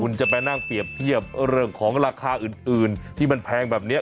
คุณจะไปนั่งเปรียบเทียบเรื่องของราคาอื่นที่มันแพงแบบนี้